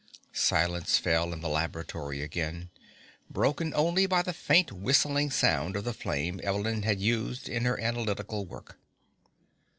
Silence fell in the laboratory again, broken only by the faint whistling sound of the flame Evelyn had used in her analytical work.